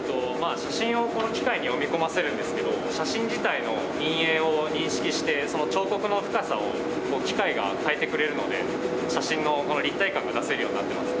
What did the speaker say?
写真をこの機械に読み込ませるんですけど写真自体の陰影を認識して彫刻の深さを機械が変えてくれるので写真の立体感が出せるようになってます。